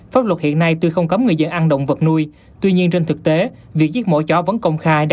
pháp luật hiện nay tuy không cấm người dân ăn động vật nuôi tuy nhiên trên thực tế việc giết mổ chó vẫn công khai đã